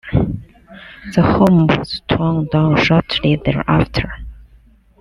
The home was torn down shortly thereafter.